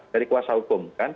dari kuasa hukum